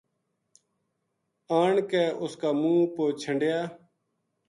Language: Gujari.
آن کے اس کا منہ پو چھنڈیا